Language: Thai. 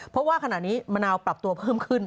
เพราะว่าขณะนี้มะนาวปรับตัวเพิ่มขึ้น